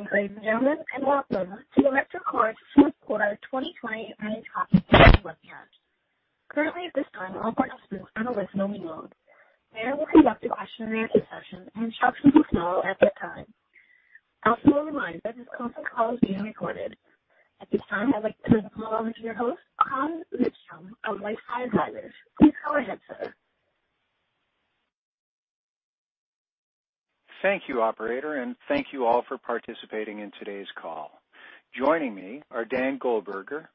Good evening, ladies and gentlemen, and welcome to electroCore's fourth quarter 2020 earnings conference call webcast. Currently, at this time, all participants are in a listen-only mode. Management will conduct a question and answer session, instructions will follow at that time. I'll also remind that this conference call is being recorded. At this time, I'd like to turn the call over to your host, Hans Vitzthum, from LifeSci Advisors. Please go ahead, sir. Thank you, operator, and thank you all for participating in today's call. Joining me are Daniel Goldberger,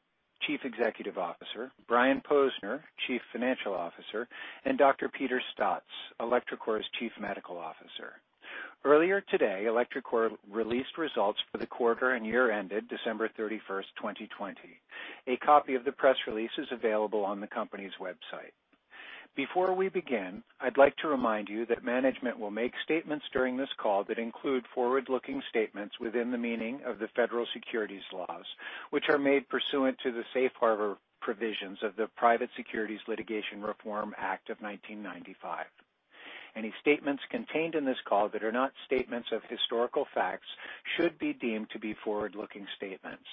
Chief Executive Officer, Brian Posner, Chief Financial Officer, and Dr. Peter Staats, electroCore's Chief Medical Officer. Earlier today, electroCore released results for the quarter and year ended 31st December, 2020. A copy of the press release is available on the company's website. Before we begin, I'd like to remind you that management will make statements during this call that include forward-looking statements within the meaning of the federal securities laws, which are made pursuant to the Safe Harbor provisions of the Private Securities Litigation Reform Act of 1995. Any statements contained in this call that are not statements of historical facts should be deemed to be forward-looking statements.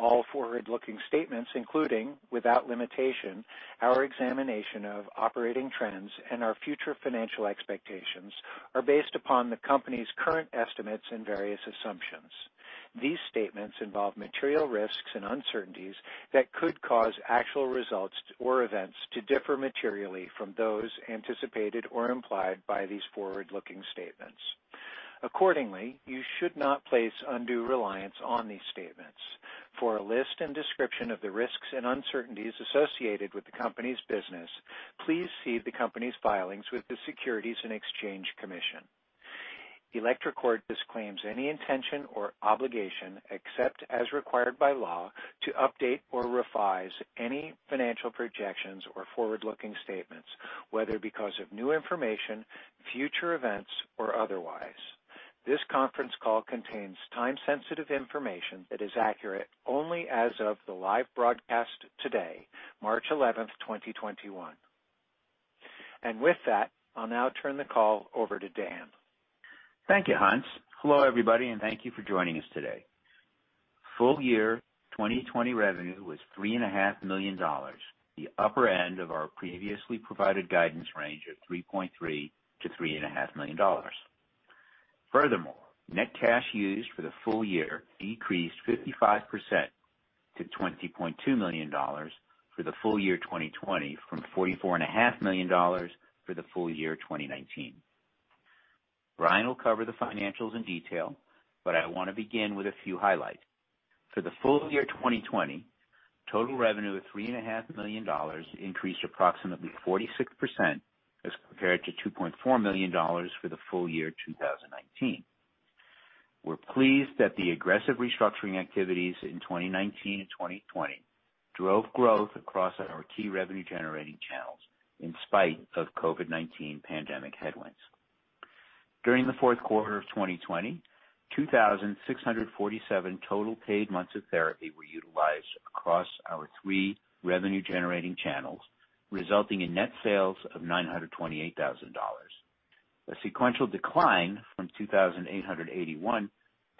All forward-looking statements, including, without limitation, our examination of operating trends and our future financial expectations, are based upon the company's current estimates and various assumptions. These statements involve material risks and uncertainties that could cause actual results or events to differ materially from those anticipated or implied by these forward-looking statements. Accordingly, you should not place undue reliance on these statements. For a list and description of the risks and uncertainties associated with the company's business, please see the company's filings with the Securities and Exchange Commission. electroCore disclaims any intention or obligation, except as required by law, to update or revise any financial projections or forward-looking statements, whether because of new information, future events, or otherwise. This conference call contains time-sensitive information that is accurate only as of the live broadcast today, 11th March 2021. With that, I'll now turn the call over to Dan. Thank you, Hans. Hello, everybody, and thank you for joining us today. Full year 2020 revenue was $3.5 million, the upper end of our previously provided guidance range of $3.3 million-$3.5 million. Furthermore, net cash used for the full year decreased 55% to $20.2 million for the Full Year 2020 from $44.5 million for the Full Year 2019. Brian will cover the financials in detail, but I want to begin with a few highlights. For the Full Year 2020, total revenue of $3.5 million increased approximately 46% as compared to $2.4 million for the Full Year 2019. We're pleased that the aggressive restructuring activities in 2019 and 2020 drove growth across our key revenue-generating channels in spite of COVID-19 pandemic headwinds. During the fourth quarter of 2020, 2,647 total paid months of therapy were utilized across our three revenue-generating channels, resulting in net sales of $928,000. A sequential decline from 2,881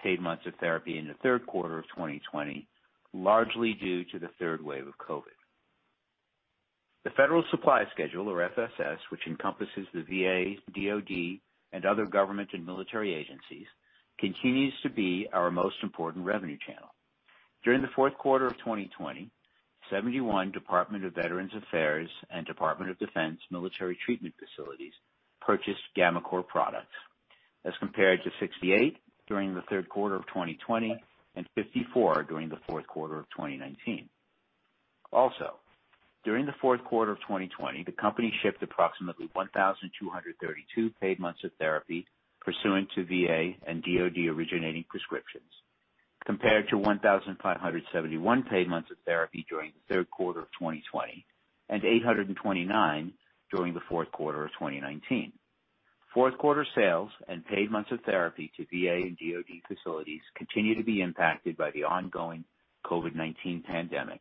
paid months of therapy in the third quarter of 2020, largely due to the third wave of COVID. The Federal Supply Schedule, or FSS, which encompasses the VA, DoD, and other government and military agencies, continues to be our most important revenue channel. During the fourth quarter of 2020, 71 Department of Veterans Affairs and Department of Defense military treatment facilities purchased gammaCore products, as compared to 68 during the third quarter of 2020 and 54 during the fourth quarter of 2019. Also, during the fourth quarter of 2020, the company shipped approximately 1,232 paid months of therapy pursuant to VA and DoD originating prescriptions, compared to 1,571 paid months of therapy during the third quarter of 2020 and 829 during the fourth quarter of 2019. Fourth quarter sales and paid months of therapy to VA and DoD facilities continue to be impacted by the ongoing COVID-19 pandemic,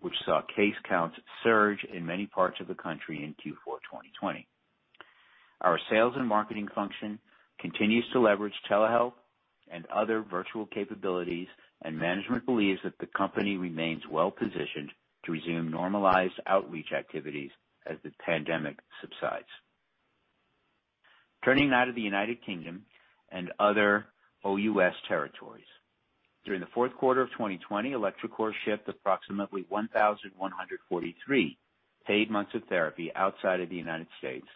which saw case counts surge in many parts of the country in Q4 2020. Our sales and marketing function continues to leverage telehealth and other virtual capabilities, and management believes that the company remains well-positioned to resume normalized outreach activities as the pandemic subsides. Turning now to the United Kingdom and other OUS territories. During the fourth quarter of 2020, electroCore shipped approximately 1,143 paid months of therapy outside of the United States,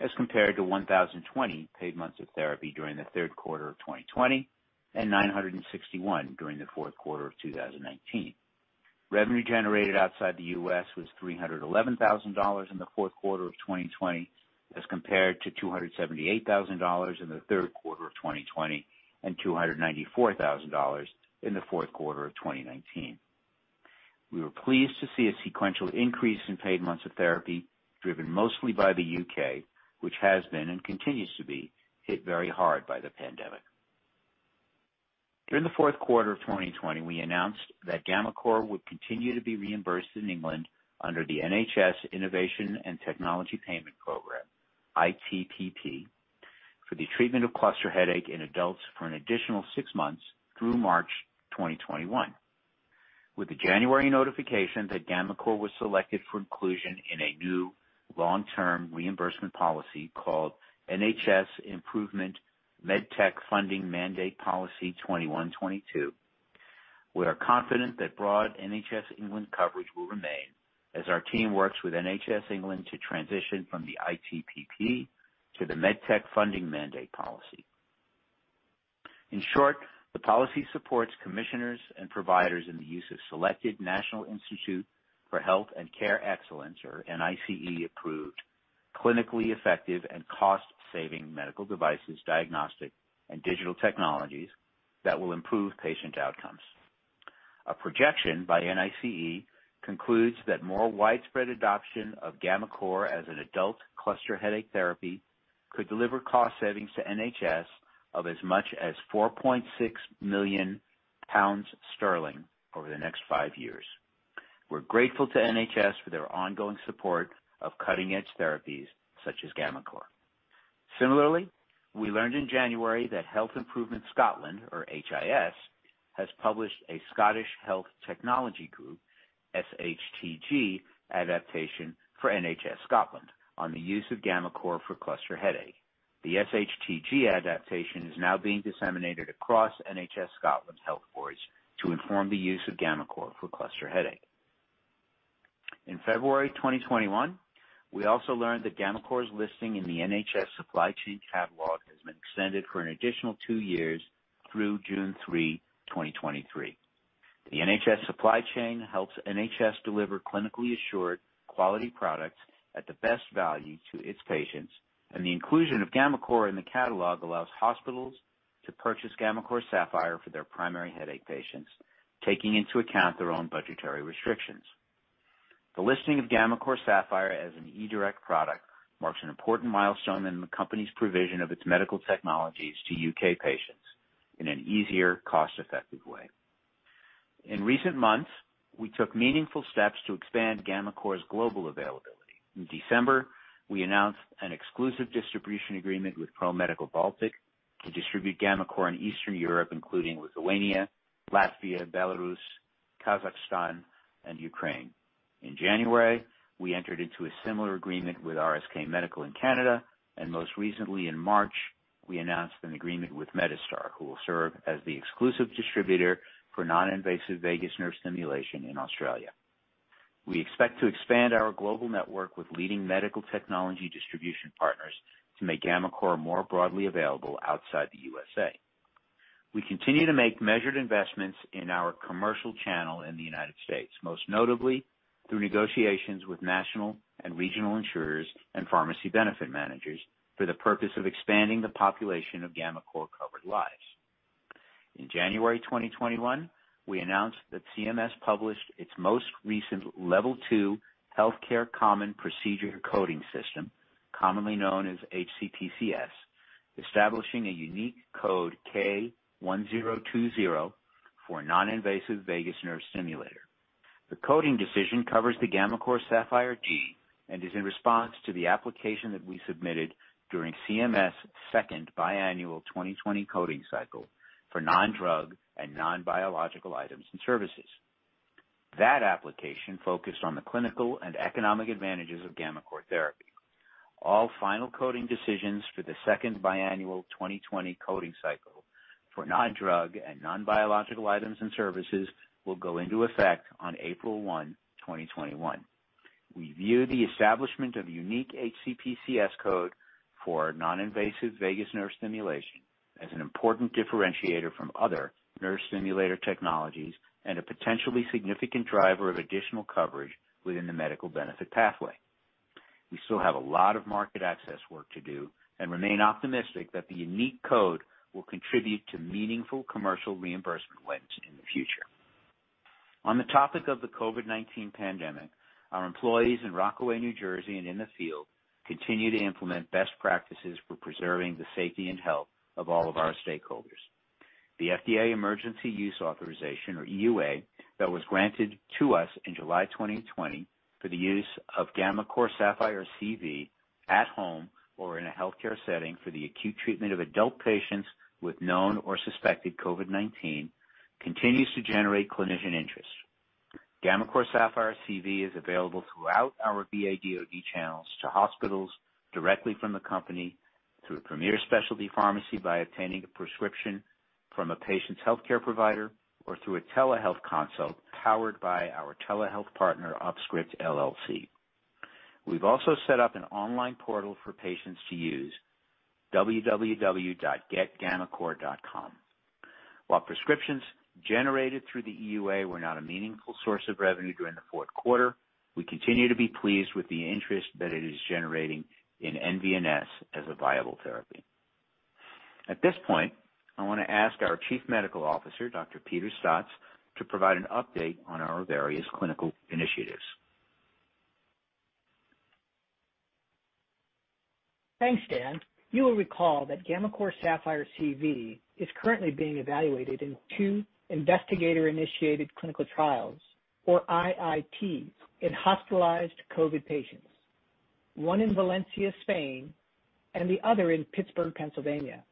as compared to 1,020 paid months of therapy during the third quarter of 2020 and 961 during the fourth quarter of 2019. Revenue generated outside the US was $311,000 in the fourth quarter of 2020 as compared to $278,000 in the third quarter of 2020 and $294,000 in the fourth quarter of 2019. We were pleased to see a sequential increase in paid months of therapy driven mostly by the U.K., which has been and continues to be hit very hard by the pandemic. During the fourth quarter of 2020, we announced that gammaCore would continue to be reimbursed in England under the NHS Innovation and Technology Payment Program. ITPP for the treatment of cluster headache in adults for an additional six months through March 2021. With the January notification that gammaCore was selected for inclusion in a new long-term reimbursement policy called NHS Improvement MedTech Funding Mandate Policy 21-22. We are confident that broad NHS England coverage will remain as our team works with NHS England to transition from the ITPP to the MedTech Funding Mandate policy. In short, the policy supports commissioners and providers in the use of selected National Institute for Health and Care Excellence, or NICE-approved, clinically effective and cost-saving medical devices, diagnostic, and digital technologies that will improve patient outcomes. A projection by NICE concludes that more widespread adoption of gammaCore as an adult cluster headache therapy could deliver cost savings to NHS of as much as 4.6 million pounds over the next five years. We're grateful to NHS for their ongoing support of cutting-edge therapies such as gammaCore. Similarly, we learned in January that Health Improvement Scotland, or HIS, has published a Scottish Health Technology Group, SHTG, adaptation for NHS Scotland on the use of gammaCore for cluster headache. The SHTG adaptation is now being disseminated across NHS Scotland's health boards to inform the use of gammaCore for cluster headache. In February 2021, we also learned that gammaCore's listing in the NHS supply chain catalog has been extended for an additional two years through 3 June, 2023. The NHS supply chain helps NHS deliver clinically assured quality products at the best value to its patients. The inclusion of gammaCore in the catalog allows hospitals to purchase gammaCore Sapphire for their primary headache patients, taking into account their own budgetary restrictions. The listing of gammaCore Sapphire as a gammaCore Direct product marks an important milestone in the company's provision of its medical technologies to U.K. patients in an easier, cost-effective way. In recent months, we took meaningful steps to expand gammaCore's global availability. In December, we announced an exclusive distribution agreement with Pro Medical Baltic to distribute gammaCore in Eastern Europe, including Lithuania, Latvia, Belarus, Kazakhstan, and Ukraine. In January, we entered into a similar agreement with RSK Medical in Canada, and most recently in March, we announced an agreement with Medistar, who will serve as the exclusive distributor for non-invasive vagus nerve stimulation in Australia. We expect to expand our global network with leading medical technology distribution partners to make gammaCore more broadly available outside the U.S. We continue to make measured investments in our commercial channel in the United States, most notably through negotiations with national and regional insurers and pharmacy benefit managers for the purpose of expanding the population of gammaCore-covered lives. In January 2021, we announced that CMS published its most recent Level II Healthcare Common Procedure Coding System, commonly known as HCPCS, establishing a unique code K1020 for non-invasive vagus nerve stimulator. The coding decision covers the gammaCore Sapphire G and is in response to the application that we submitted during CMS second biannual 2020 coding cycle for non-drug and non-biological items and services. That application focused on the clinical and economic advantages of gammaCore therapy. All final coding decisions for the second biannual 2020 coding cycle for non-drug and non-biological items and services will go into effect on 1 April 2021. We view the establishment of a unique HCPCS code for non-invasive vagus nerve stimulation as an important differentiator from other nerve stimulator technologies and a potentially significant driver of additional coverage within the medical benefit pathway. We still have a lot of market access work to do and remain optimistic that the unique code will contribute to meaningful commercial reimbursement wins in the future. On the topic of the COVID-19 pandemic, our employees in Rockaway, New Jersey and in the field continue to implement best practices for preserving the safety and health of all of our stakeholders. The FDA Emergency Use Authorization, or EUA, that was granted to us in July 2020 for the use of gammaCore Sapphire CV at home or in a healthcare setting for the acute treatment of adult patients with known or suspected COVID-19, continues to generate clinician interest. gammaCore Sapphire CV is available throughout our VA/DoD channels to hospitals directly from the company through Premier Specialty Pharmacy by obtaining a prescription from a patient's healthcare provider or through a telehealth consult powered by our telehealth partner, UpScript LLC. We've also set up an online portal for patients to use, www.getgammacore.com. While prescriptions generated through the EUA were not a meaningful source of revenue during the fourth quarter, we continue to be pleased with the interest that it is generating in nVNS as a viable therapy. At this point, I want to ask our Chief Medical Officer, Dr. Peter Staats, to provide an update on our various clinical initiatives. Thanks, Dan. You will recall that gammaCore Sapphire CV is currently being evaluated in two investigator-initiated clinical trials, or IITs, in hospitalized COVID-19 patients. One in Valencia, Spain, and the other in Pittsburgh, Pennsylvania.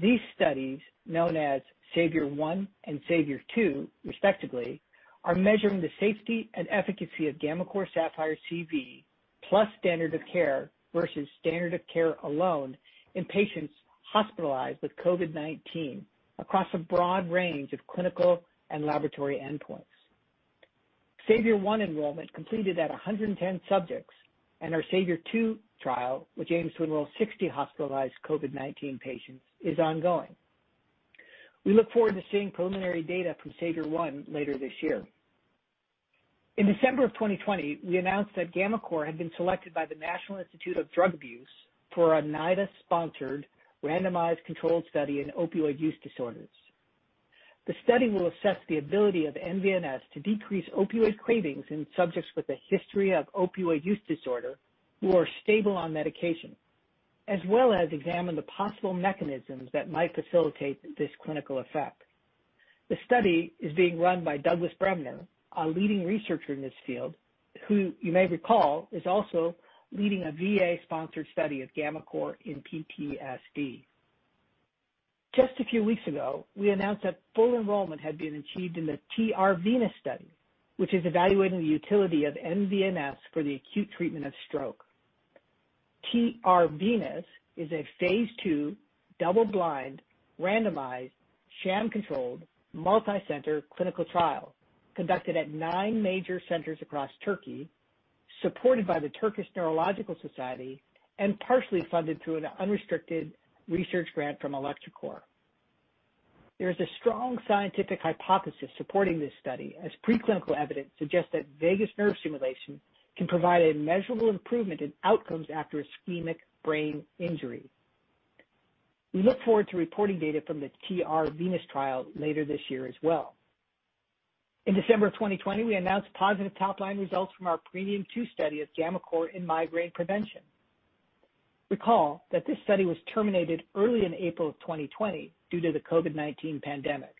These studies, known as SAVIOR-1 and SAVIOR-2 respectively, are measuring the safety and efficacy of gammaCore Sapphire CV plus standard of care versus standard of care alone in patients hospitalized with COVID-19 across a broad range of clinical and laboratory endpoints. SAVIOR-1 enrollment completed at 110 subjects. Our SAVIOR-2 trial, which aims to enroll 60 hospitalized COVID-19 patients, is ongoing. We look forward to seeing preliminary data from SAVIOR-1 later this year. In December of 2020, we announced that gammaCore had been selected by the National Institute on Drug Abuse for a NIDA-sponsored randomized controlled study in opioid use disorders. The study will assess the ability of nVNS to decrease opioid cravings in subjects with a history of opioid use disorder who are stable on medication, as well as examine the possible mechanisms that might facilitate this clinical effect. The study is being run by Douglas Bremner, a leading researcher in this field, who you may recall is also leading a VA-sponsored study of gammaCore in PTSD. Just a few weeks ago, we announced that full enrollment had been achieved in the TR-VENUS study, which is evaluating the utility of nVNS for the acute treatment of stroke. TR-VENUS is a phase II double-blind, randomized, sham-controlled, multi-center clinical trial conducted at nine major centers across Turkey, supported by the Turkish Neurological Society, and partially funded through an unrestricted research grant from electroCore. There is a strong scientific hypothesis supporting this study, as pre-clinical evidence suggests that vagus nerve stimulation can provide a measurable improvement in outcomes after ischemic brain injury. We look forward to reporting data from the TR-VENUS trial later this year as well. In December of 2020, we announced positive top-line results from our PREMIUM-2 study of gammaCore in migraine prevention. Recall that this study was terminated early in April of 2020 due to the COVID-19 pandemic.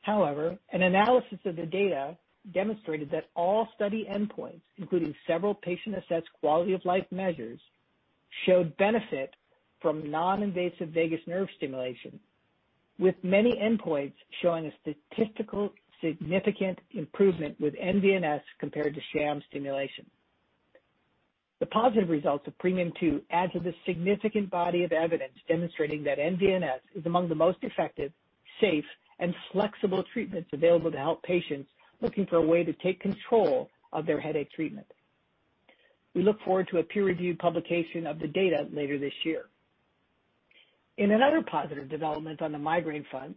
However, an analysis of the data demonstrated that all study endpoints, including several patient-assessed quality-of-life measures, showed benefit from non-invasive vagus nerve stimulation, with many endpoints showing a statistical significant improvement with nVNS compared to sham stimulation. The positive results of PREMIUM II add to the significant body of evidence demonstrating that nVNS is among the most effective, safe, and flexible treatments available to help patients looking for a way to take control of their headache treatment. We look forward to a peer-reviewed publication of the data later this year. In another positive development on the migraine front,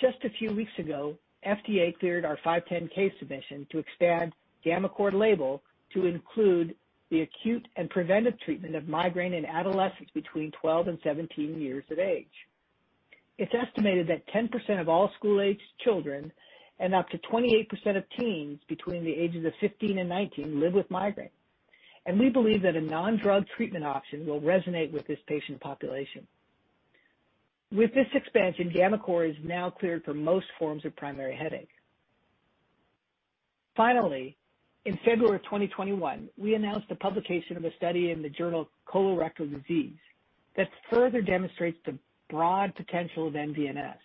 just a few weeks ago, FDA cleared our 510(k) submission to expand gammaCore label to include the acute and preventive treatment of migraine in adolescents between 12 and 17 years of age. It's estimated that 10% of all school-aged children and up to 28% of teens between the ages of 15 and 19 live with migraine, and we believe that a non-drug treatment option will resonate with this patient population. With this expansion, gammaCore is now cleared for most forms of primary headache. In February of 2021, we announced the publication of a study in the journal Colorectal Disease that further demonstrates the broad potential of nVNS.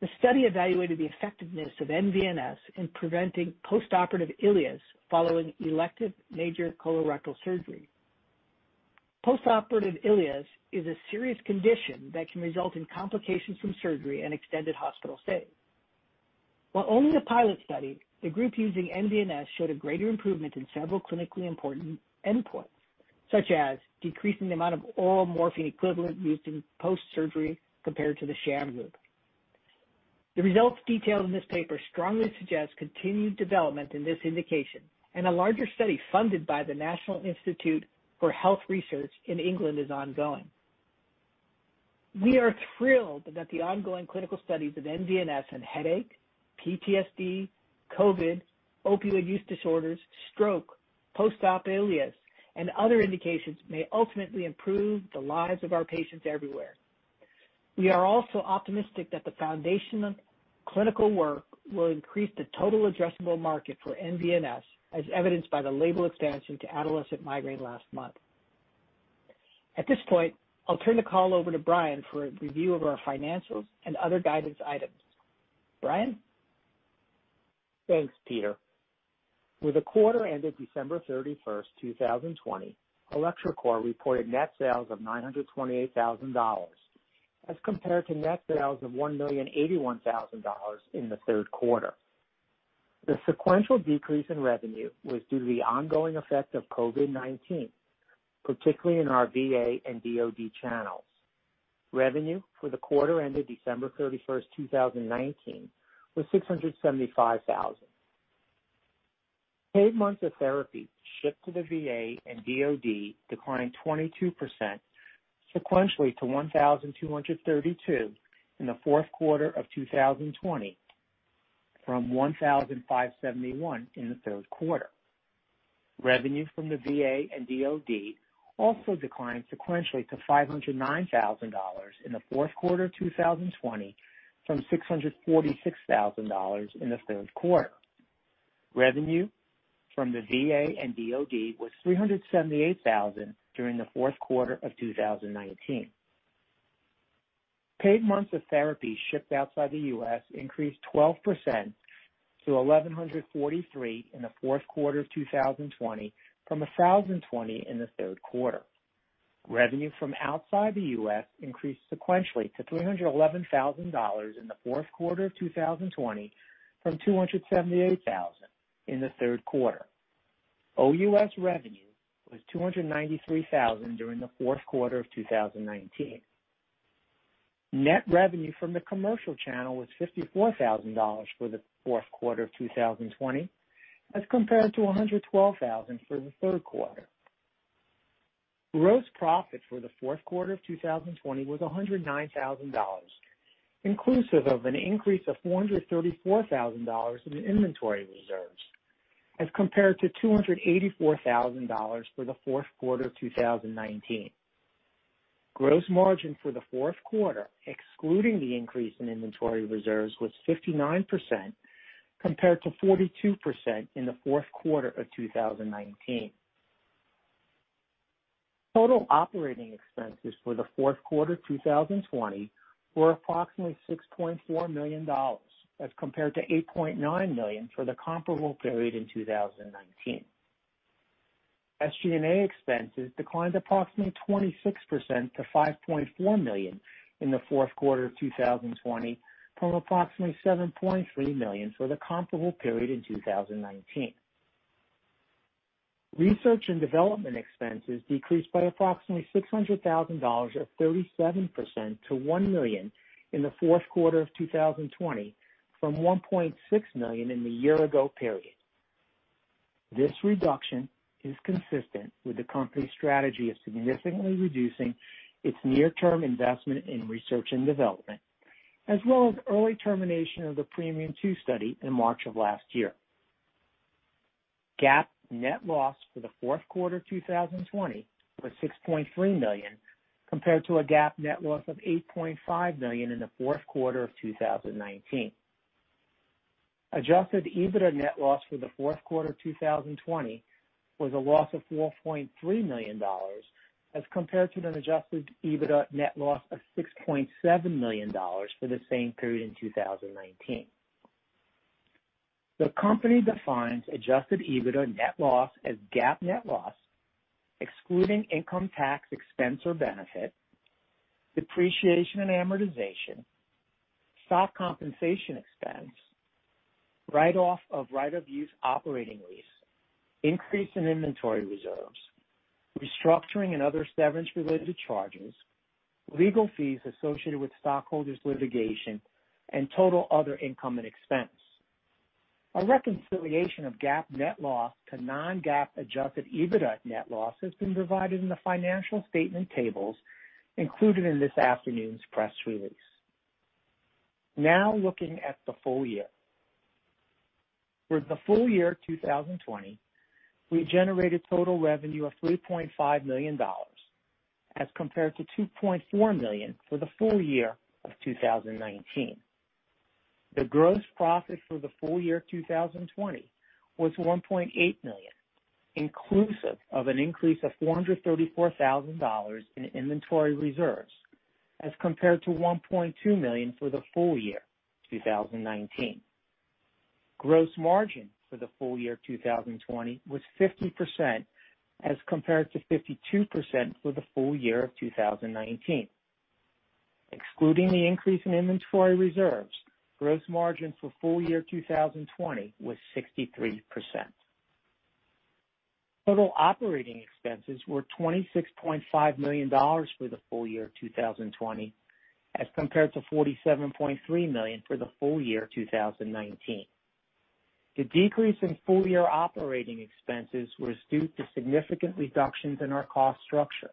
The study evaluated the effectiveness of nVNS in preventing postoperative ileus following elective major colorectal surgery. Postoperative ileus is a serious condition that can result in complications from surgery and extended hospital stay. While only a pilot study, the group using nVNS showed a greater improvement in several clinically important endpoints, such as decreasing the amount of oral morphine equivalent used in post-surgery compared to the sham group. The results detailed in this paper strongly suggest continued development in this indication, and a larger study funded by the National Institute for Health and Care Research in England is ongoing. We are thrilled that the ongoing clinical studies of nVNS in headache, PTSD, COVID, opioid use disorders, stroke, post-op ileus, and other indications may ultimately improve the lives of our patients everywhere. We are also optimistic that the foundation of clinical work will increase the total addressable market for nVNS, as evidenced by the label expansion to adolescent migraine last month. At this point, I'll turn the call over to Brian for a review of our financials and other guidance items. Brian? Thanks, Peter. With the quarter ended 31st December 2020, electroCore reported net sales of $928,000 as compared to net sales of $1,081,000 in the third quarter. The sequential decrease in revenue was due to the ongoing effect of COVID-19, particularly in our VA and DoD channels. Revenue for the quarter ended 31st December 2019, was $675,000. Paid months of therapy shipped to the VA and DoD declined 22% sequentially to 1,232 in the fourth quarter of 2020 from 1,571 in the third quarter. Revenue from the VA and DoD also declined sequentially to $509,000 in the fourth quarter of 2020 from $646,000 in the third quarter. Revenue from the VA and DoD was $378,000 during the fourth quarter of 2019. Paid months of therapy shipped outside the U.S. increased 12% to 1,143 in the fourth quarter of 2020 from 1,020 in the third quarter. Revenue from outside the U.S. increased sequentially to $311,000 in the fourth quarter of 2020 from $278,000 in the third quarter. OUS revenue was $293,000 during the fourth quarter of 2019. Net revenue from the commercial channel was $54,000 for the fourth quarter of 2020 as compared to $112,000 for the third quarter. Gross profit for the fourth quarter of 2020 was $109,000, inclusive of an increase of $434,000 in inventory reserves as compared to $284,000 for the fourth quarter of 2019. Gross margin for the fourth quarter, excluding the increase in inventory reserves, was 59%, compared to 42% in the fourth quarter of 2019. Total operating expenses for the fourth quarter 2020 were approximately $6.4 million, as compared to $8.9 million for the comparable period in 2019. SG&A expenses declined approximately 26% to $5.4 million in the fourth quarter of 2020 from approximately $7.3 million for the comparable period in 2019. Research and development expenses decreased by approximately $600,000 or 37% to $1 million in the fourth quarter of 2020 from $1.6 million in the year ago period. This reduction is consistent with the company's strategy of significantly reducing its near-term investment in research and development, as well as early termination of the Premium II study in March of last year. GAAP net loss for the fourth quarter 2020 was $6.3 million, compared to a GAAP net loss of $8.5 million in the fourth quarter of 2019. Adjusted EBITDA net loss for the fourth quarter 2020 was a loss of $4.3 million as compared to an adjusted EBITDA net loss of $6.7 million for the same period in 2019. The company defines adjusted EBITDA net loss as GAAP net loss, excluding income tax expense or benefit, depreciation and amortization, stock compensation expense, write-off of right of use operating lease, increase in inventory reserves, restructuring and other severance related charges, legal fees associated with stockholders' litigation, and total other income and expense. A reconciliation of GAAP net loss to non-GAAP adjusted EBITDA net loss has been provided in the financial statement tables included in this afternoon's press release. Now looking at the full year. For the Full Year 2020, we generated total revenue of $3.5 million as compared to $2.4 million for the full year of 2019. The gross profit for the full year of 2020 was $1.8 million, inclusive of an increase of $434,000 in inventory reserves, as compared to $1.2 million for the Full Year 2019. Gross margin for the full year of 2020 was 50% as compared to 52% for the full year of 2019. Excluding the increase in inventory reserves, gross margin for Full Year 2020 was 63%. Total operating expenses were $26.5 million for the full year of 2020 as compared to $47.3 million for the full year of 2019. The decrease in full year operating expenses was due to significant reductions in our cost structure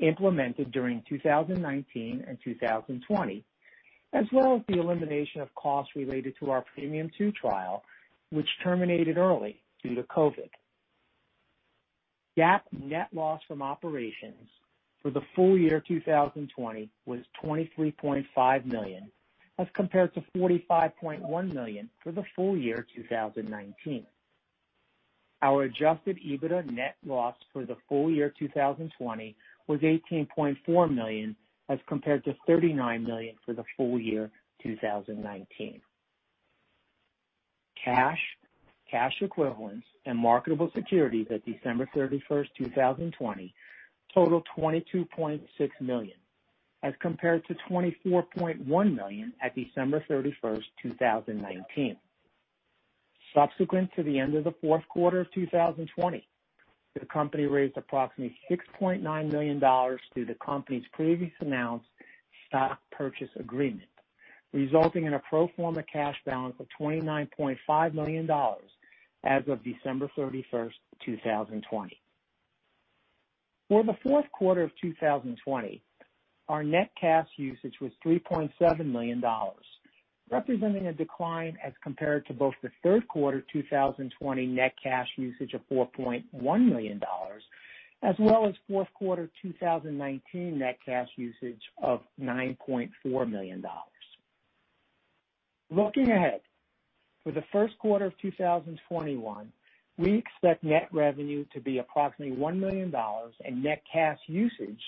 implemented during 2019 and 2020, as well as the elimination of costs related to our Premium II trial, which terminated early due to COVID. GAAP net loss from operations for the Full Year 2020 was $23.5 million as compared to $45.1 million for the Full Year 2019. Our adjusted EBITDA net loss for the Full Year 2020 was $18.4 million as compared to $39 million for the Full Year 2019. Cash, cash equivalents, and marketable securities at 31st December, 2020 total $22.6 million as compared to $24.1 million at 31st December 2019. Subsequent to the end of the fourth quarter of 2020, the company raised approximately $6.9 million through the company's previously announced stock purchase agreement, resulting in a pro forma cash balance of $29.5 million as of 31st December 2020. For the fourth quarter of 2020, our net cash usage was $3.7 million, representing a decline as compared to both the third quarter 2020 net cash usage of $4.1 million, as well as fourth quarter 2019 net cash usage of $9.4 million. Looking ahead for the first quarter of 2021, we expect net revenue to be approximately $1 million and net cash usage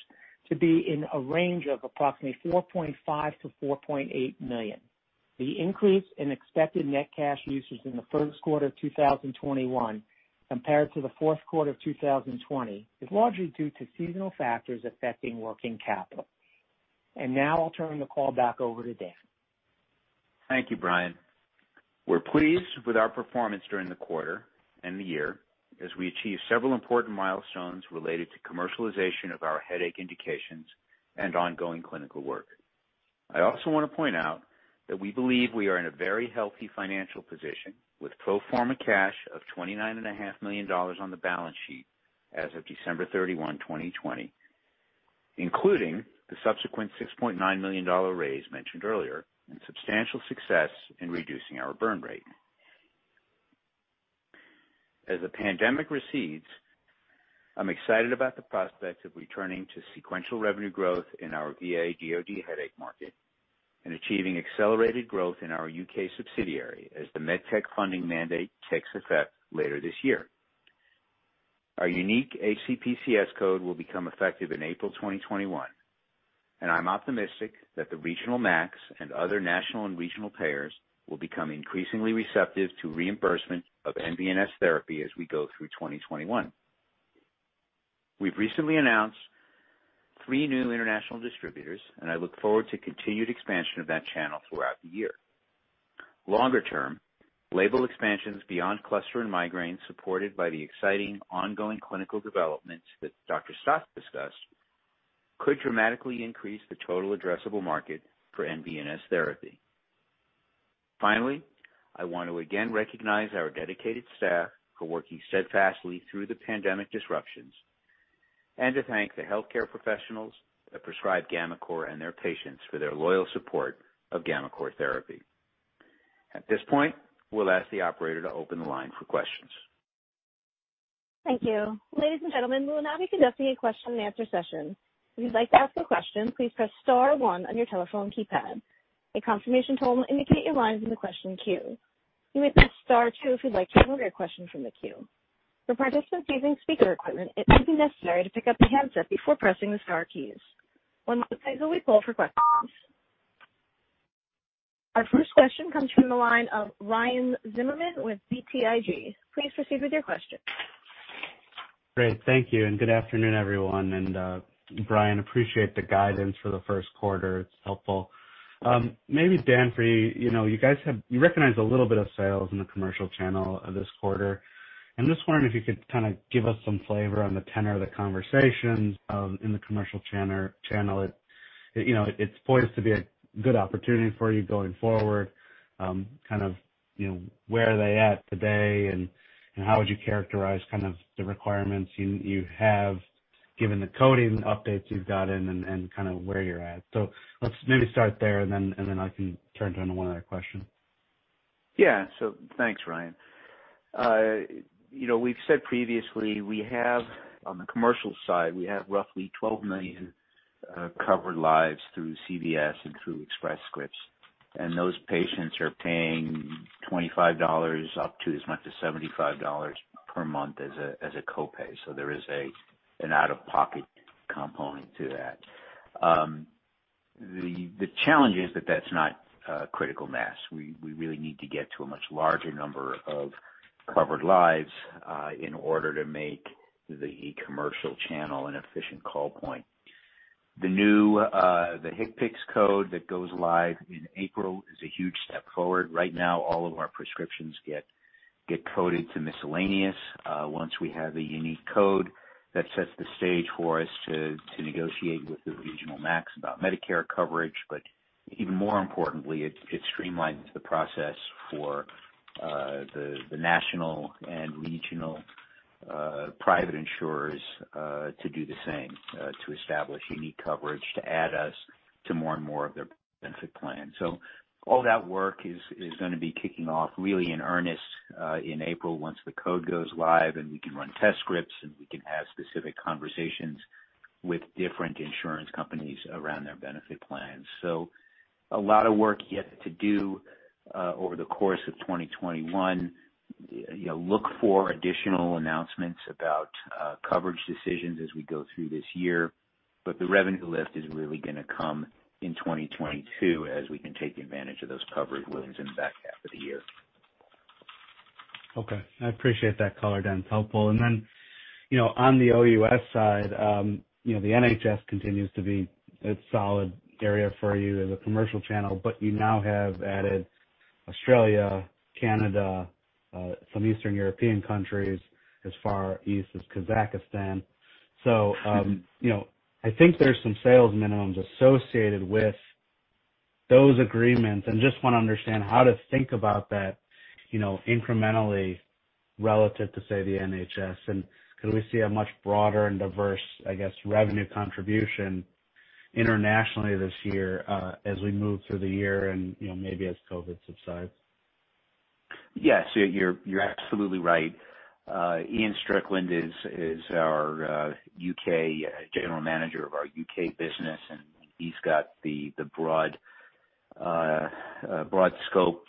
to be in a range of approximately $4.5 to $4.8 million. The increase in expected net cash usage in the first quarter of 2021 compared to the fourth quarter of 2020 is largely due to seasonal factors affecting working capital. Now I'll turn the call back over to Dan. Thank you, Brian. We're pleased with our performance during the quarter and the year as we achieve several important milestones related to commercialization of our headache indications and ongoing clinical work. I also want to point out that we believe we are in a very healthy financial position with pro forma cash of $29.5 million on the balance sheet as of 31 December 2020, including the subsequent $6.9 million raise mentioned earlier and substantial success in reducing our burn rate. As the pandemic recedes, I'm excited about the prospect of returning to sequential revenue growth in our VA/DoD headache market and achieving accelerated growth in our U.K. subsidiary as the MedTech funding mandate takes effect later this year. Our unique HCPCS code will become effective in April 2021, and I'm optimistic that the regional MACs and other national and regional payers will become increasingly receptive to reimbursement of nVNS therapy as we go through 2021. We've recently announced three new international distributors, and I look forward to continued expansion of that channel throughout the year. Longer term, label expansions beyond cluster and migraine supported by the exciting ongoing clinical developments that Dr. Staats discussed could dramatically increase the total addressable market for nVNS therapy. Finally, I want to again recognize our dedicated staff for working steadfastly through the pandemic disruptions and to thank the healthcare professionals that prescribe gammaCore and their patients for their loyal support of gammaCore therapy. At this point, we'll ask the operator to open the line for questions. Thank you. Ladies and gentlemen, we will now be conducting a question and answer session. If you'd like to ask a question, please press star one on your telephone keypad. A confirmation tone will indicate your line is in the question queue. You may press star two if you'd like to remove your question from the queue. For participants using speaker equipment, it may be necessary to pick up the handset before pressing the star keys. One moment please while we poll for questions. Our first question comes from the line of Ryan Zimmerman with BTIG. Please proceed with your question. Great. Thank you, and good afternoon, everyone. Brian, appreciate the guidance for the first quarter. It's helpful. Maybe Dan, for you. You recognized a little bit of sales in the commercial channel this quarter. I'm just wondering if you could give us some flavor on the tenor of the conversations in the commercial channel. It's poised to be a good opportunity for you going forward. Where are they at today, and how would you characterize the requirements you have given the coding updates you've gotten and where you're at? Let's maybe start there, and then I can turn to one other question. Yeah. Thanks, Ryan. We've said previously we have, on the commercial side, we have roughly 12 million covered lives through CVS and through Express Scripts, and those patients are paying $25 up to as much as $75 per month as a copay. There is an out-of-pocket component to that. The challenge is that that's not critical mass. We really need to get to a much larger number of covered lives in order to make the commercial channel an efficient call point. The HCPCS code that goes live in April is a huge step forward. Right now, all of our prescriptions get coded to miscellaneous. Once we have a unique code, that sets the stage for us to negotiate with the regional MACs about Medicare coverage. Even more importantly, it streamlines the process for the national and regional private insurers to do the same, to establish unique coverage to add us to more and more of their benefit plans. all that work is going to be kicking off really in earnest in April once the code goes live, and we can run test scripts, and we can have specific conversations with different insurance companies around their benefit plans. a lot of work yet to do over the course of 2021. Look for additional announcements about coverage decisions as we go through this year. the revenue lift is really going to come in 2022 as we can take advantage of those coverage wins in the back half of the year. Okay. I appreciate that color, Dan. It's helpful. Then on the OUS side, the NHS continues to be a solid area for you as a commercial channel, but you now have added Australia, Canada, some Eastern European countries as far east as Kazakhstan. I think there's some sales minimums associated with those agreements, and just want to understand how to think about that incrementally relative to, say, the NHS. Could we see a much broader and diverse, I guess, revenue contribution internationally this year as we move through the year and maybe as COVID subsides? Yes, you're absolutely right. Iain Strickland is our U.K. general manager of our U.K. business, and he's got the broad scope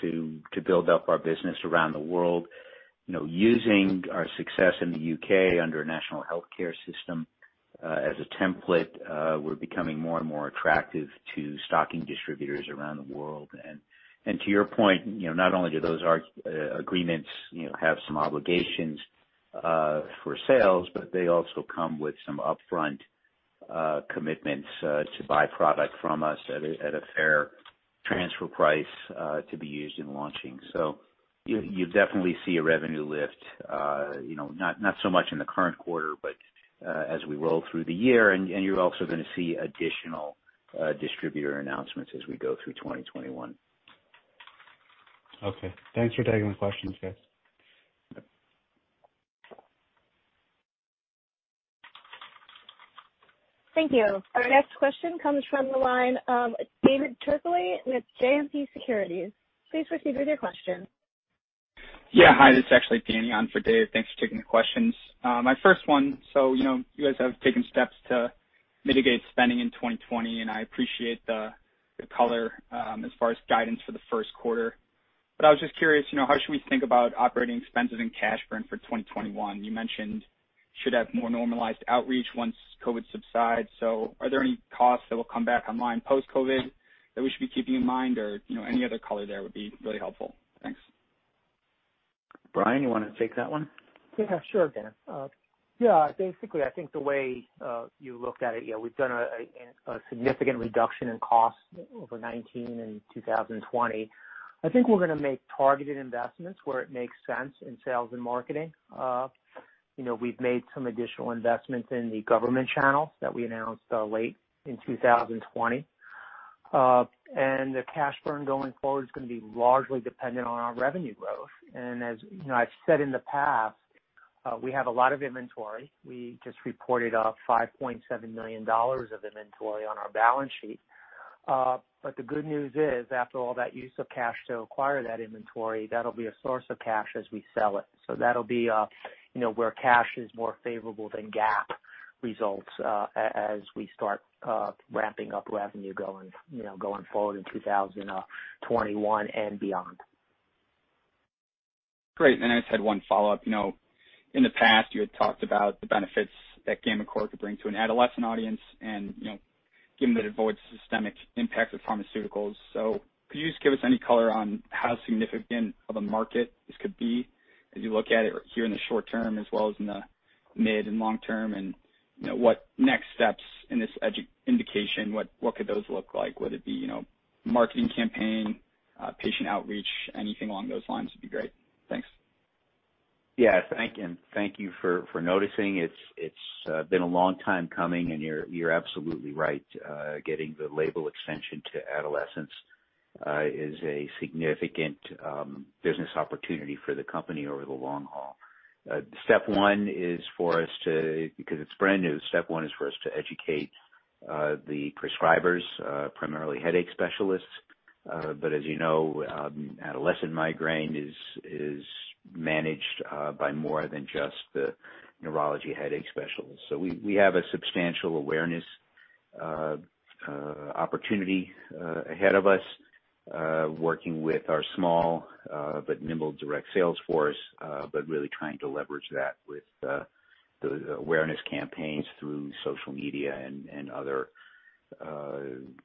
to build up our business around the world. Using our success in the U.K. under a national healthcare system as a template, we're becoming more and more attractive to stocking distributors around the world. To your point, not only do those agreements have some obligations for sales, but they also come with some upfront commitments to buy product from us at a fair transfer price to be used in launching. You'll definitely see a revenue lift, not so much in the current quarter, but as we roll through the year. You're also going to see additional distributor announcements as we go through 2021. Okay. Thanks for taking the questions, guys. Thank you. Our next question comes from the line, David Turkaly with JMP Securities. Please proceed with your question. Yeah. Hi, this is actually Danny on for Dave. Thanks for taking the questions. My first one. You guys have taken steps to mitigate spending in 2020, and I appreciate the color as far as guidance for the first quarter. I was just curious, how should we think about operating expenses and cash burn for 2021? You mentioned you should have more normalized outreach once COVID subsides. Are there any costs that will come back online post-COVID that we should be keeping in mind? Any other color there would be really helpful. Thanks. Brian, you want to take that one? Yeah, sure, Danny. Yeah. Basically, I think the way you looked at it, we've done a significant reduction in cost over 2019 and 2020. I think we're going to make targeted investments where it makes sense in sales and marketing. We've made some additional investments in the government channels that we announced late in 2020. The cash burn going forward is going to be largely dependent on our revenue growth. As I've said in the past, we have a lot of inventory. We just reported a $5.7 million of inventory on our balance sheet. The good news is, after all that use of cash to acquire that inventory, that'll be a source of cash as we sell it. That'll be where cash is more favorable than GAAP results as we start ramping up revenue going forward in 2021 and beyond. Great. I just had one follow-up. In the past, you had talked about the benefits that gammaCore could bring to an adolescent audience and given that it avoids systemic impacts of pharmaceuticals. Could you just give us any color on how significant of a market this could be as you look at it here in the short term as well as in the mid and long term, and what next steps in this indication, what could those look like? Would it be marketing campaign, patient outreach? Anything along those lines would be great. Thanks. Yeah. Thank you for noticing. It's been a long time coming, and you're absolutely right. Getting the label extension to adolescents is a significant business opportunity for the company over the long haul. Because it's brand new, step one is for us to educate the prescribers, primarily headache specialists. as you know, adolescent migraine is managed by more than just the neurology headache specialists. we have a substantial awareness opportunity ahead of us working with our small but nimble direct sales force, but really trying to leverage that with the awareness campaigns through social media and other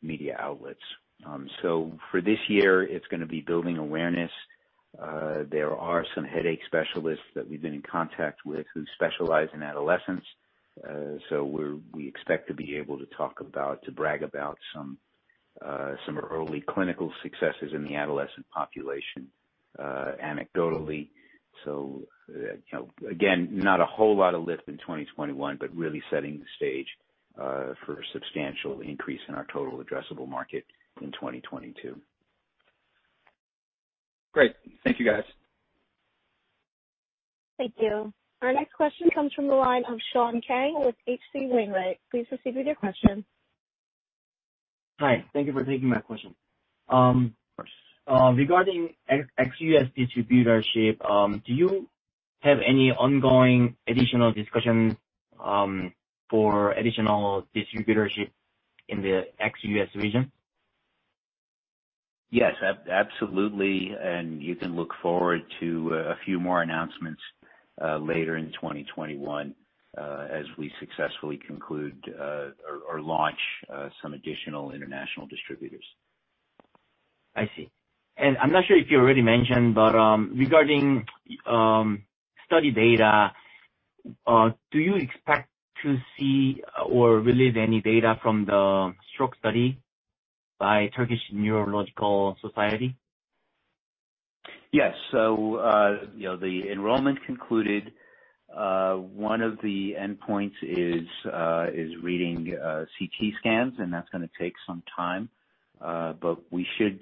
media outlets. for this year, it's going to be building awareness. There are some headache specialists that we've been in contact with who specialize in adolescents. we expect to be able to brag about some early clinical successes in the adolescent population anecdotally. Again, not a whole lot of lift in 2021, but really setting the stage for a substantial increase in our total addressable market in 2022. Great. Thank you, guys. Thank you. Our next question comes from the line of Sean Kang with H.C. Wainwright. Please proceed with your question. Hi. Thank you for taking my question. Regarding ex-U.S. distributorship, do you have any ongoing additional discussion for additional distributorship in the ex-U.S. region? Yes, absolutely. You can look forward to a few more announcements later in 2021 as we successfully conclude or launch some additional international distributors. I see. I'm not sure if you already mentioned, but regarding study data, do you expect to see or release any data from the stroke study by Turkish Neurological Society? Yes. The enrollment concluded. One of the endpoints is reading CT scans, and that's going to take some time. We should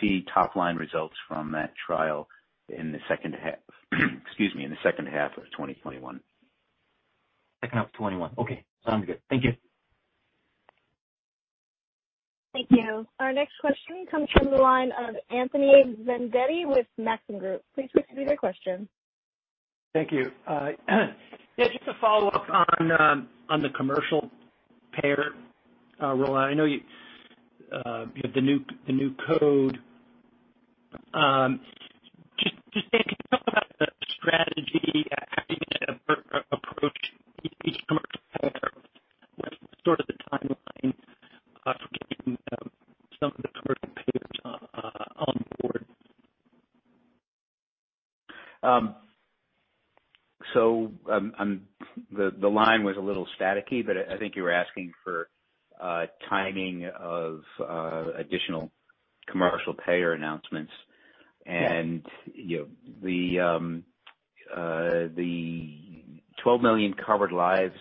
see top-line results from that trial in the second half of 2021. Second half of 2021. Okay, sounds good. Thank you. Thank you. Our next question comes from the line of Anthony Vendetti with Maxim Group. Please proceed with your question. Thank you. Just a follow-up on the commercial payer role. I know you have the new code. Just, Dan, can you talk about the strategy, how you approach each commercial [inaudible] What's the timeline for getting some of the commercial payers on board? The line was a little staticky, but I think you were asking for timing of additional commercial payer announcements. Yes. The 12 million covered lives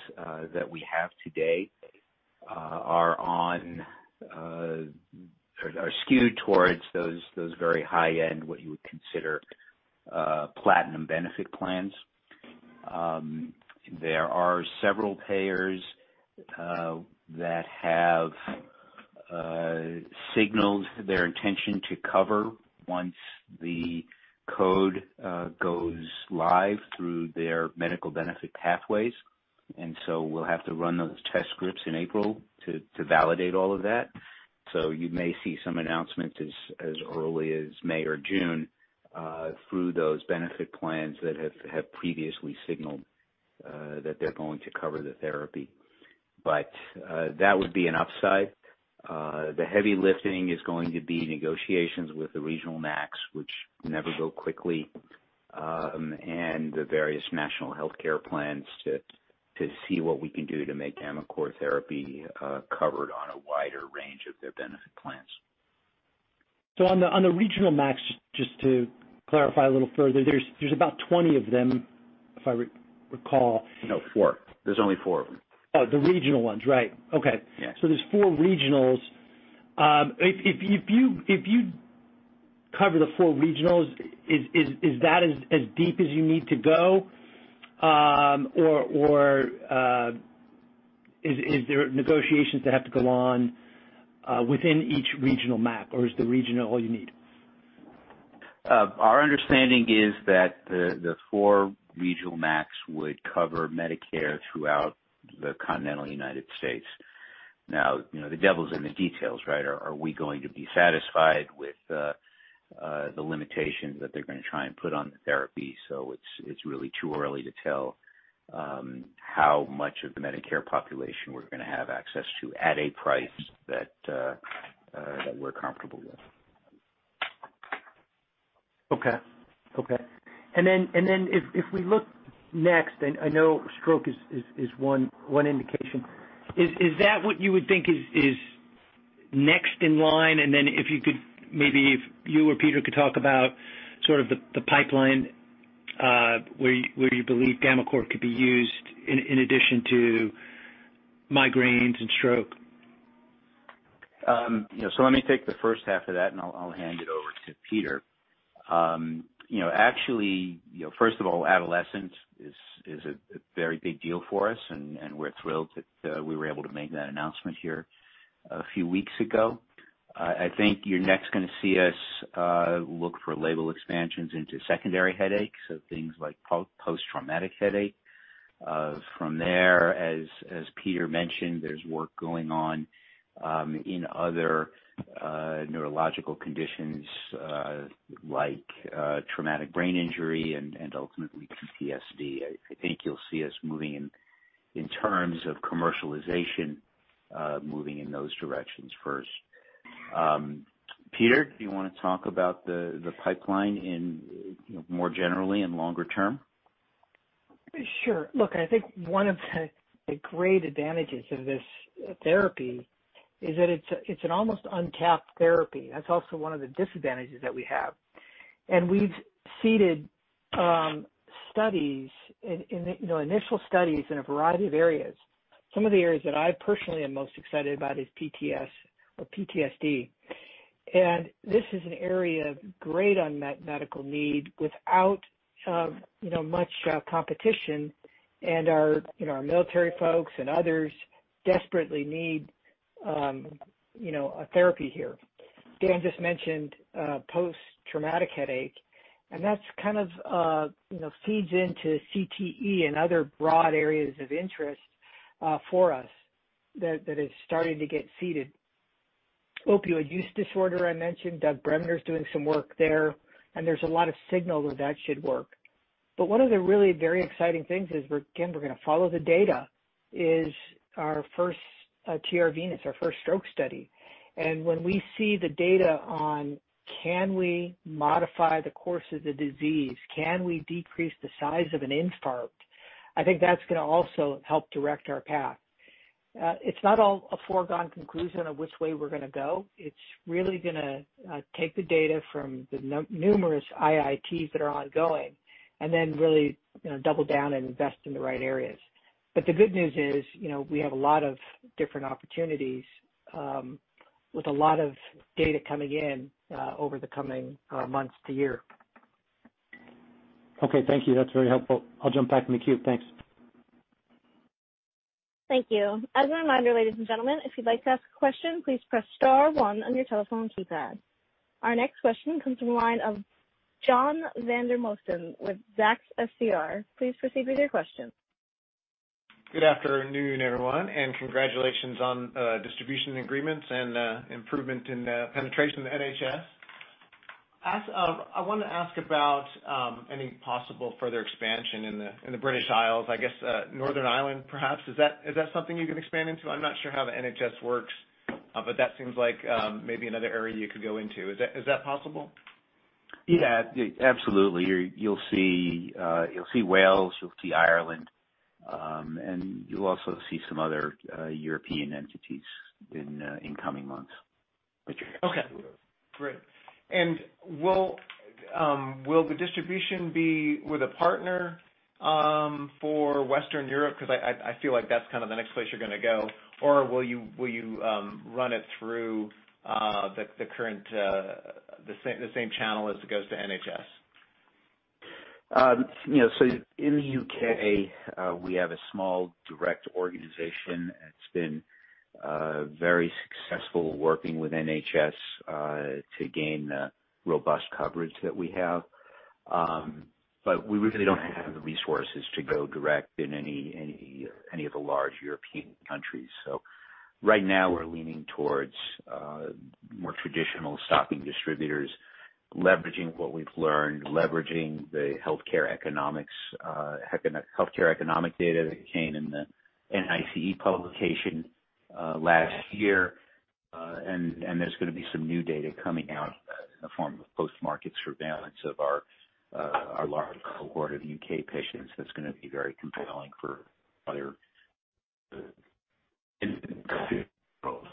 that we have to date are skewed towards those very high-end, what you would consider platinum benefit plans. There are several payers that have signaled their intention to cover once the code goes live through their medical benefit pathways. We'll have to run those test scripts in April to validate all of that. You may see some announcements as early as May or June through those benefit plans that have previously signaled that they're going to cover the therapy. That would be an upside. The heavy lifting is going to be negotiations with the regional MACs, which never go quickly, and the various national healthcare plans to see what we can do to make gammaCore therapy covered on a wider range of their benefit plans. On the regional MACs, just to clarify a little further, there's about 20 of them, if I recall. No, four. There's only four of them. Oh, the regional ones. Right. Okay. Yeah. There's four regionals. If you cover the four regionals, is that as deep as you need to go? Is there negotiations that have to go on within each regional MAC, or is the regional all you need? Our understanding is that the four regional MACs would cover Medicare throughout the continental United States. Now, the devil's in the details, right? Are we going to be satisfied with the limitations that they're going to try and put on the therapy? It's really too early to tell how much of the Medicare population we're going to have access to at a price that we're comfortable with. Okay. if we look next, and I know stroke is one indication, is that what you would think is next in line? if you could, maybe if you or Peter could talk about sort of the pipeline where you believe gammaCore could be used in addition to migraines and stroke. Let me take the first half of that, and I'll hand it over to Peter. Actually, first of all, adolescence is a very big deal for us, and we're thrilled that we were able to make that announcement here a few weeks ago. I think you're next going to see us look for label expansions into secondary headaches, so things like post-traumatic headache. From there, as Peter mentioned, there's work going on in other neurological conditions, like traumatic brain injury and ultimately PTSD. I think you'll see us, in terms of commercialization, moving in those directions first. Peter, do you want to talk about the pipeline more generally and longer term? Sure. Look, I think one of the great advantages of this therapy is that it's an almost untapped therapy. That's also one of the disadvantages that we have. We've seeded initial studies in a variety of areas. Some of the areas that I personally am most excited about is PTS or PTSD. This is an area of great unmet medical need without much competition. Our military folks and others desperately need a therapy here. Dan just mentioned post-traumatic headache, and that kind of feeds into CTE and other broad areas of interest for us that is starting to get seeded. Opioid use disorder, I mentioned. Doug Bremner is doing some work there. There's a lot of signal that that should work. One of the really very exciting things is, again, we're going to follow the data, is our first TR-VENUS, our first stroke study. when we see the data on can we modify the course of the disease, can we decrease the size of an infarct, I think that's going to also help direct our path. It's not all a foregone conclusion of which way we're going to go. It's really going to take the data from the numerous IITs that are ongoing and then really double down and invest in the right areas. The good news is we have a lot of different opportunities with a lot of data coming in over the coming months to year. Okay, thank you. That's very helpful. I'll jump back in the queue. Thanks. Thank you. As a reminder, ladies and gentlemen, if you'd like to ask a question, please press star one on your telephone keypad. Our next question comes from the line of John Vandermosten with Zacks SCR. Please proceed with your question. Good afternoon, everyone, and congratulations on distribution agreements and improvement in penetration in the NHS. I want to ask about any possible further expansion in the British Isles, I guess Northern Ireland perhaps. Is that something you can expand into? I'm not sure how the NHS works, but that seems like maybe another area you could go into. Is that possible? Yeah. Absolutely. You'll see Wales, you'll see Ireland, and you'll also see some other European entities in coming months. Okay, great. Will the distribution be with a partner for Western Europe? Because I feel like that's kind of the next place you're going to go. Will you run it through the same channel as it goes to NHS? In the U.K., we have a small direct organization that's been very successful working with NHS to gain the robust coverage that we have. We really don't have the resources to go direct in any of the large European countries. Right now, we're leaning towards more traditional stocking distributors, leveraging what we've learned, leveraging the healthcare economic data that came in the NICE publication last year. There's going to be some new data coming out in the form of post-market surveillance of our large cohort of U.K. patients that's going to be very compelling for other roles.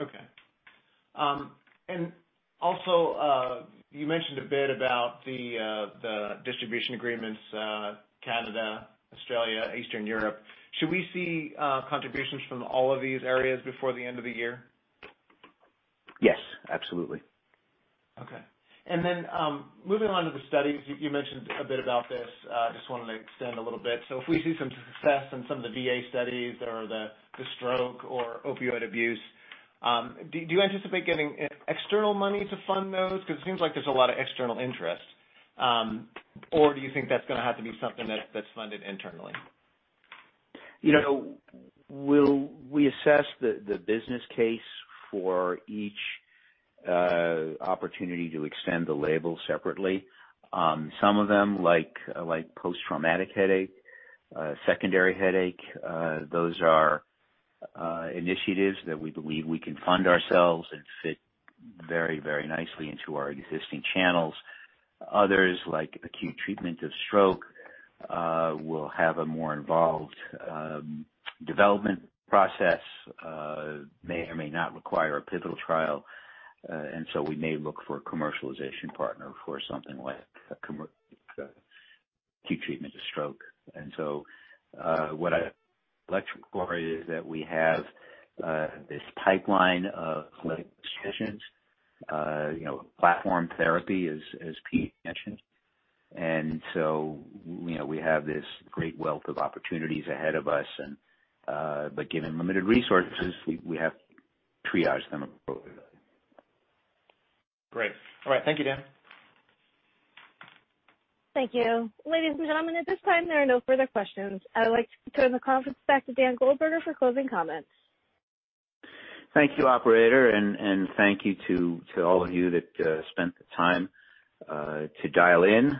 Okay. Also, you mentioned a bit about the distribution agreements, Canada, Australia, Eastern Europe. Should we see contributions from all of these areas before the end of the year? Yes, absolutely. Okay. moving on to the studies. You mentioned a bit about this. I just wanted to extend a little bit. if we see some success in some of the VA studies or the stroke or opioid abuse, do you anticipate getting external money to fund those? Because it seems like there's a lot of external interest. do you think that's going to have to be something that's funded internally? We assess the business case for each opportunity to extend the label separately. Some of them, like post-traumatic headache, secondary headache, those are initiatives that we believe we can fund ourselves and fit very nicely into our existing channels. Others, like acute treatment of stroke, will have a more involved development process, may or may not require a pivotal trial, and so we may look for a commercialization partner for something like acute treatment of stroke. What we have this pipeline of clinical physicians, platform therapy, as Peter mentioned. We have this great wealth of opportunities ahead of us and, but given limited resources, we have to triage them appropriately. Great. All right. Thank you, Dan. Thank you. Ladies and gentlemen, at this time, there are no further questions. I would like to turn the conference back to Dan Goldberger for closing comments. Thank you, operator, and thank you to all of you that spent the time to dial in.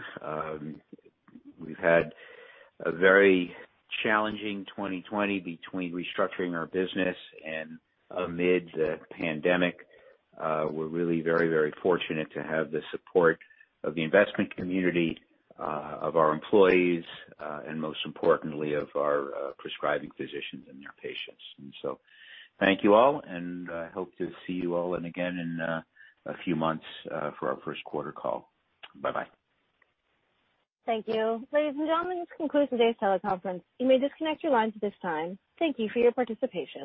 We've had a very challenging 2020 between restructuring our business and amid the pandemic. We're really very, very fortunate to have the support of the investment community, of our employees, and most importantly, of our prescribing physicians and their patients. Thank you all, and I hope to see you all again in a few months, for our first quarter call. Bye-bye. Thank you. Ladies and gentlemen, this concludes today's teleconference. You may disconnect your lines at this time. Thank you for your participation.